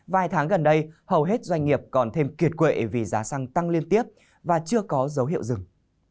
vài tháng gần đây hầu hết doanh nghiệp còn thêm kiệt quệ vì giá xăng tăng liên tiếp và chưa có dấu hiệu dừng